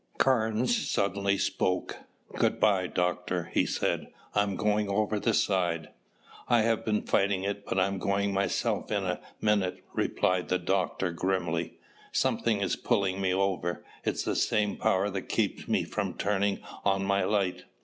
Carnes suddenly spoke. "Good by, Doctor," he said. "I'm going over the side." "I have been fighting it but I'm going myself in a minute," replied the doctor grimly. "Something is pulling me over. It's the same power that keeps me from turning on my light."